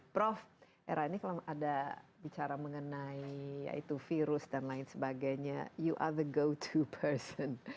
prof hera ini kalau ada bicara mengenai virus dan lain sebagainya you are the go to person